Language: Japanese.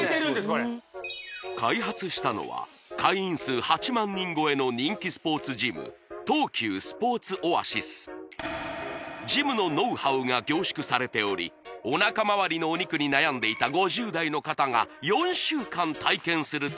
これ開発したのは会員数８万人超えの人気スポーツジム東急スポーツオアシスジムのノウハウが凝縮されておりおなかまわりのお肉に悩んでいた５０代の方がえっ！？